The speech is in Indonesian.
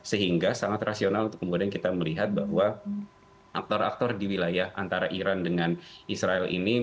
sehingga sangat rasional untuk kemudian kita melihat bahwa aktor aktor di wilayah antara iran dengan israel ini